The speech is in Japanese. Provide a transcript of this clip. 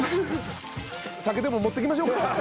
酒でも持ってきましょうか？